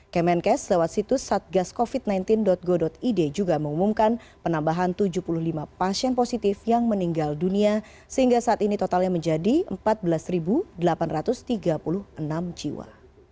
kemenkes lewat situs satgascovid sembilan belas go id juga mengumumkan penambahan tujuh puluh lima pasien positif yang meninggal dunia sehingga saat ini totalnya menjadi empat belas delapan ratus tiga puluh enam jiwa